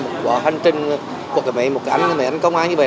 một hành trình của một anh công an như vậy